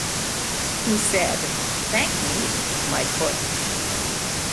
He said, 'Thank me, my foot.